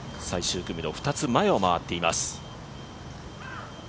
最終組の２つ前を回っています。